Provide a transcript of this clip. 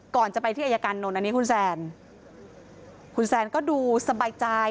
ก่อนจะไปที่อายการนนท์อันนี้คุณแซนคุณแซนก็ดูสบายใจ